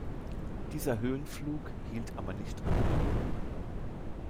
Dieser Höhenflug hielt aber nicht an.